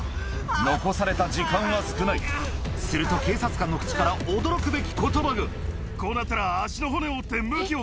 残された時間は少ないすると警察官の口から驚くべき言葉がこうなったら。